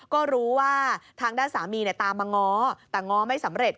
ก็รู้ว่าทางด้านสามีตามมาง้อแต่ง้อไม่สำเร็จ